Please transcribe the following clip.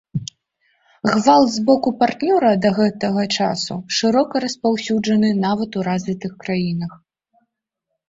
Гвалт з боку партнёра да гэтага часу шырока распаўсюджаны нават у развітых краінах.